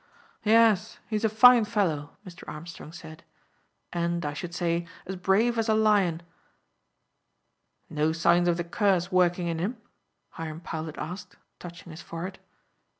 "Yes, he's a fine fellow," Mr. Armstrong said, "and, I should say, as brave as a lion." "No signs of the curse working in him?" Hiram Powlett asked, touching his forehead.